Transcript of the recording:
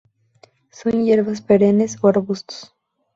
Son hierbas perennes o arbustos.